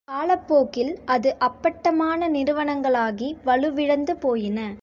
காலப்போக்கில் அது அப்பட்டமான நிறுவனங்களாகி வலுவிழந்து போயின.